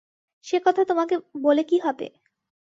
সে কথা তোমাকে বলে কী হবে।